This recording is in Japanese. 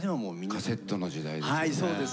カセットの時代ですね。